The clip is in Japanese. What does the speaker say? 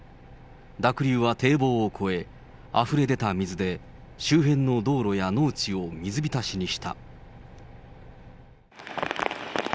濁流は堤防を越え、あふれ出た水で周辺の道路や農地を水浸しにした。